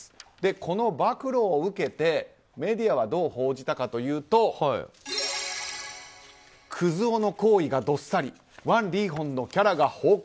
この暴露を受けてメディアはどう報じたかというとクズ男の行為がどっさりワン・リーホンのキャラが崩壊。